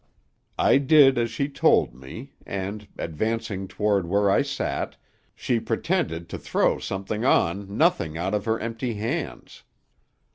"I did as she told me, and, advancing toward where I sat, she pretended to throw something on nothing out of her empty hands.